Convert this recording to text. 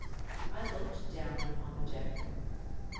I looked down upon the deck.